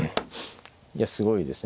いやすごいですね